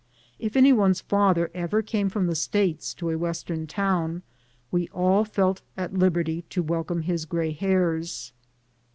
If any one's father ever came from the States to a Western town, we all felt at liberty to welcome his gray hairs.